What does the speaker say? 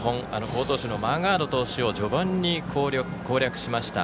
好投手のマーガード投手を序盤に攻略しました。